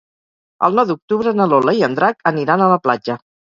El nou d'octubre na Lola i en Drac aniran a la platja.